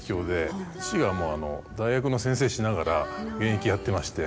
父が大学の先生しながら現役やってまして。